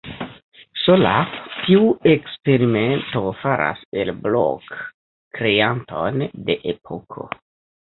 Sola tiu eksperimento faras el Blok kreanton de epoko.